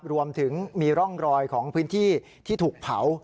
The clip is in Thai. รวมถึงมีร่องรอยของพื้นที่ที่ถูกเผา